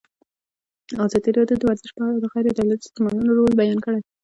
ازادي راډیو د ورزش په اړه د غیر دولتي سازمانونو رول بیان کړی.